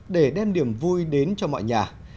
để đem niềm vui đến cho mọi nhà